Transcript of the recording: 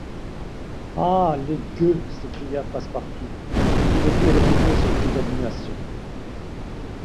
Ah! les gueux ! s’écria Passepartout, qui ne put retenir ce cri d’indignation.